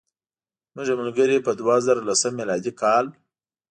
زموږ یو ملګری په دوه زره لسم میلادي کال.